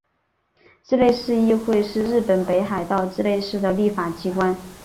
稚内市议会是日本北海道稚内市的立法机关。